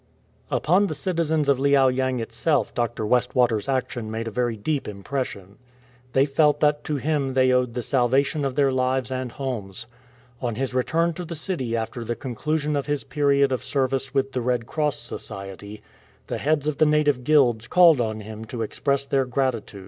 "" Upon the citizens of Liao yang itself Dr. West water's action made a very deep impression. They felt that to him they owed the salvation of their lives and homes. On his return to the city after the conclusion of his period of service with the Red Cross Society, the heads of the native guilds called on him to express their gratitude.